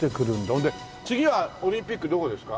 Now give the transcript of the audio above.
ほんで次はオリンピックどこですか？